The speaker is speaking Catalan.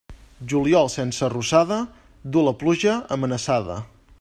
Juliol sense rosada duu la pluja amenaçada.